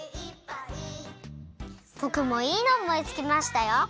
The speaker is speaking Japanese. ぼくもいいのをおもいつきましたよ！